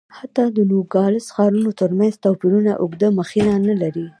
حتی د نوګالس ښارونو ترمنځ توپیرونه اوږده مخینه نه لري.